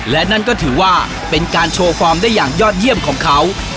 และนั่นก็ถือว่าเป็นการโชว์ฟอร์มได้อย่างยอดเยี่ยมของเขา